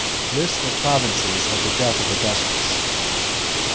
UBT OF PROVINCES AT THE DEATH OF AUGUSTUS.